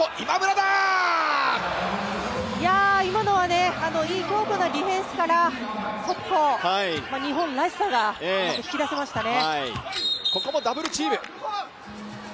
今のは強固なディフェンスから速攻、日本らしさがうまく引き出せましたね。